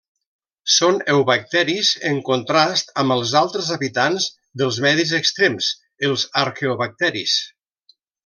Són eubacteris, en contrast amb els altres habitants dels medis extrems, els arqueobacteris.